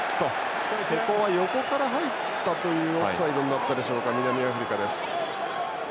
ここは横から入ったというオフサイドでしょうか南アフリカです。